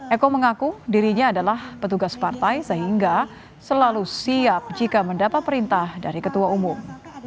eko mengaku dirinya adalah petugas partai sehingga selalu siap jika mendapat perintah dari ketua umum